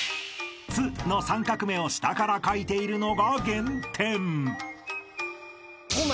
［「ッ」の３画目を下から書いているのが減点］